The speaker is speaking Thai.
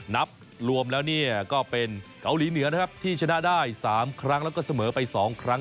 นับรวมแล้วเนี่ยก็เป็นเกาหลีเหนือนะครับที่ชนะได้๓ครั้งแล้วก็เสมอไป๒ครั้ง